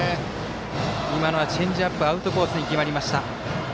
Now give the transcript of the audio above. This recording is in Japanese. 今のはチェンジアップアウトコースに決まりました。